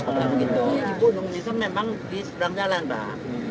kalau begitu ibu undang undang memang di seberang jalan pak